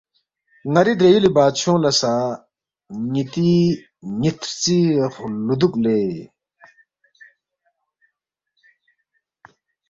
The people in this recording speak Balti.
ن٘ری درے یُولی بادشونگ لہ سہ نِ٘تی نِ٘ت ہرژی خلُودُوک لے